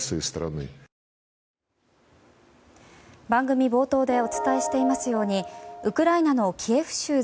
番組冒頭でお伝えしていますようにウクライナのキエフ州